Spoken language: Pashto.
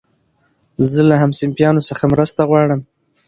زه له همصنفيانو څخه مرسته غواړم.